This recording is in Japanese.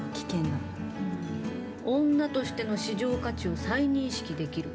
女としての市場価値を再認識できる。